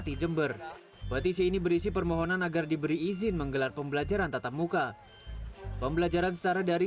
karena covid sembilan belas ini jadi kami meminta izin kepada presiden jokowi